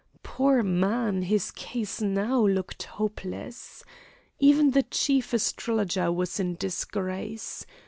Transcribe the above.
Poor man, his case now looked hopeless! Even the Chief Astrologer was in disgrace.